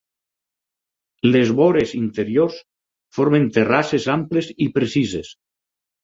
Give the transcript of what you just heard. Les vores interiors formen terrasses amples i precises.